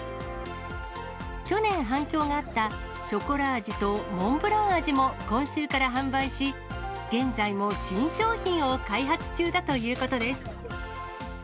去年、反響があったショコラ味とモンブラン味も、今週から販売し、現在も新商品を開発中だということです。